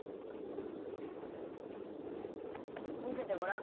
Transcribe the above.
「みせてごらん」。